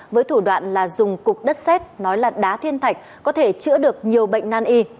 với thủ đoạn là dùng cục đất xét nói là đá thiên thạch có thể chữa được nhiều bệnh nan y